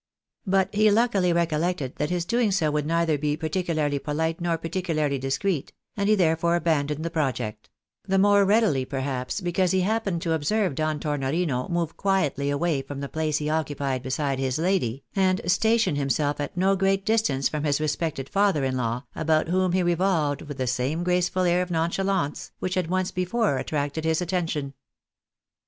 But he luckily recollected that his doing so would neither be particularly polite nor particularly dis creet ; and he therefore abandoned the project ; the more readily, perhaps, because he happened to observe Don Tornorino move quietly away from the place he occupied beside his lady, and station himself at no great distance from his respected father in law, about whom he revolved with the same graceful air of non chalance which had once before attracted his attention.